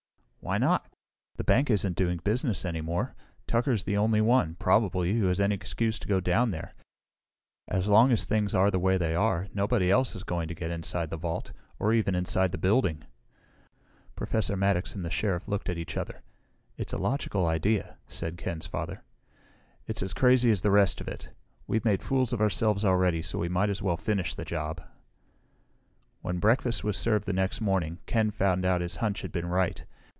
"Why not? The bank isn't doing business any more. Tucker is the only one, probably, who has any excuse to go down there. As long as things are the way they are, nobody else is going to get inside the vault or even inside the building." Professor Maddox and the Sheriff looked at each other. "It's a logical idea," said Ken's father. "It's as crazy as the rest of it! We've made fools of ourselves already so we might as well finish the job!" When breakfast was served the next morning, Ken found out his hunch had been right.